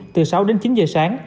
từ sáu đến chín giờ sáng